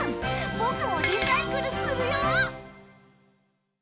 僕もリサイクルするよ。